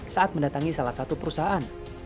saat mendatangi salah satu perusahaan